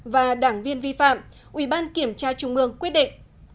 và đảng viên vi phạm ủy ban kiểm tra trung ương quyết định